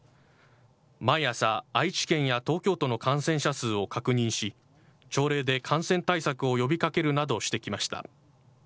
毎朝、愛知県や東京都の感染者数を確認し、朝礼で感染対策を呼びかけるなどしてきました。